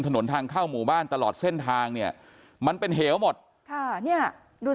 ถนนทางเข้าหมู่บ้านตลอดเส้นทางเนี่ยมันเป็นเหวหมดค่ะเนี่ยดูสิ